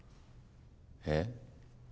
えっ？